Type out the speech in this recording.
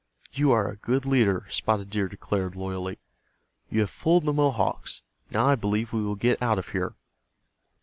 "You are a good leader," Spotted Dear declared, loyally, "You have fooled the Mohawks. Now I believe we will get out of here."